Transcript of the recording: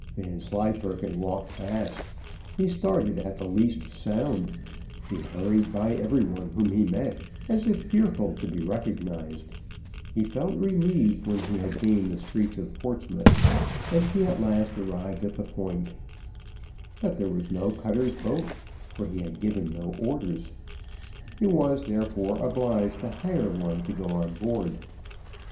Vanslyperken walked fast he started at the least sound he hurried by everyone whom he met, as if fearful to be recognised he felt relieved when he had gained the streets of Portsmouth, and he at last arrived at the Point; but there was no cutter's boat, for he had given no orders. He was therefore obliged to hire one to go on board.